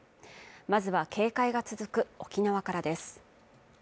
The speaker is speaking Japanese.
まずは警戒が続く沖縄からです